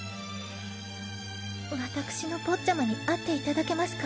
私のポッチャマに会っていただけますか？